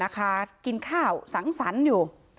กินข้าวสังสรรค์อยู่